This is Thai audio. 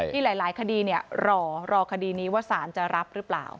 ที่หลายคดีรอคดีนี้ว่าสารจะรับหรือเปล่า